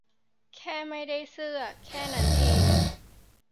แค่ไม่ได้เสื้อแค่นั้นเอง